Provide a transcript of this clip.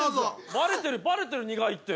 バレてるバレてる苦いって。